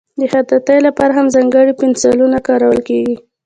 د خطاطۍ لپاره هم ځانګړي پنسلونه کارول کېږي.